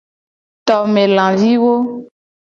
Tome laviwo.